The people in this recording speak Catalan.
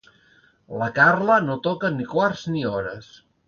La Carla no toca ni quarts ni hores.